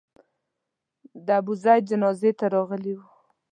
د ابوزید جنازې ته راغلي وو.